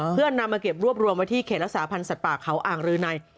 เพื่อนำมาเก็บรวบรวมไว้ที่เขตรักษาพันธ์สัตว์ป่าเขาอ่างรืนัย